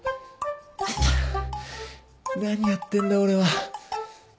何やってんだ俺は。